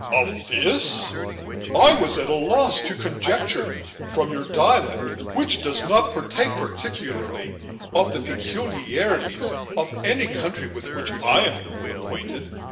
"Of this! I was at a loss to conjecture, from your dialect, which does not partake, particularly, of the peculiarities of any country with which I am acquainted.